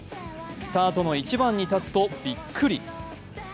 スタートの１番に立つとびっくり。